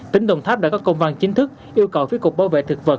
tỉnh đồng tháp đã có công văn chính thức yêu cầu phía cục bảo vệ thực vật